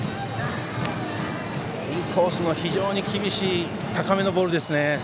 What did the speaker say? インコースの非常に厳しい高めのボールですね。